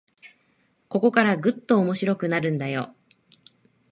ここからぐっと面白くなるんだよ